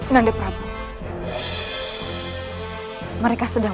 menyusul kian santang